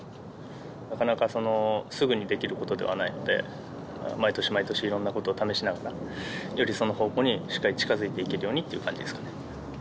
なかなかすぐにできることではないので、毎年、毎年、いろんなことを試しながら、よりその方向にしっかり近づいていけるようにっていう感じですかね。